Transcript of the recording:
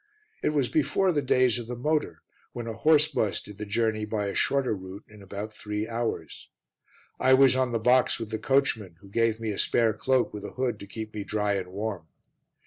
It was before the days of the motor, when a horse bus did the journey by a shorter route in about three hours. I was on the box with the coachman who gave me a spare cloak with a hood to keep me dry and warm.